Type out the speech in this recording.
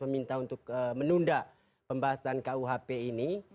meminta untuk menunda pembahasan kuhp ini